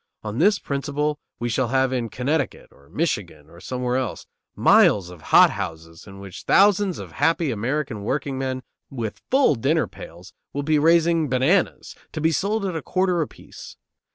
On this principle, we shall have in Connecticut, or Michigan, or somewhere else, miles of hothouses in which thousands of happy American workingmen, with full dinner pails, will be raising bananas, to be sold at a quarter apiece.